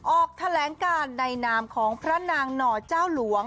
ออกแถลงการในนามของพระนางหน่อเจ้าหลวง